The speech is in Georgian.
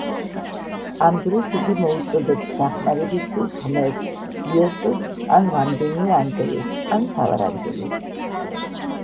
ამ დროს იგი მოუწოდებს დახმარებისთვის ღმერთს, იესოს ან რამდენიმე ანგელოზს ან მთავარანგელოზს.